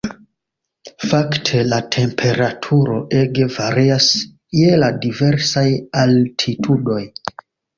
Fakte la temperaturo ege varias je la diversaj altitudoj.